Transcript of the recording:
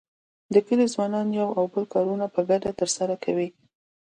د کلي ځوانان د یو او بل کارونه په ګډه تر سره کوي.